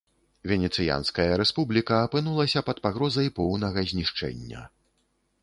Венецыянская рэспубліка апынулася пад пагрозай поўнага знішчэння.